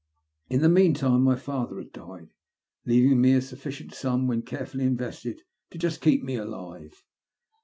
In the meantime my father had died, leaving me a sufficient sum, when carefully invested, to just keep me alive.